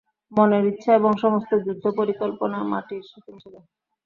মনের ইচ্ছা এবং সমস্ত যুদ্ধ পরিকল্পনা মাটির সাথে মিশে যায়।